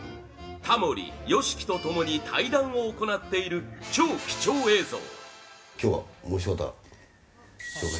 タモリ、ＹＯＳＨＩＫＩと共に対談を行っている超貴重映像！